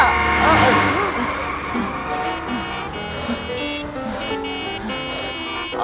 aku akan menemukan kota